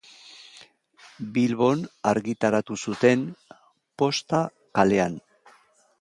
Bilbon argitaratu zuten, Posta kalean.